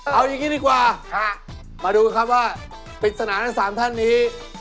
เอาอย่างนี้ดีกว่ามาดูครับว่าปริศนาทั้ง๓ท่านนี้